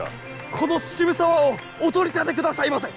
この渋沢をお取り立てくださいませ！